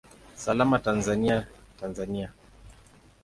Salama Tanzania, Tanzania!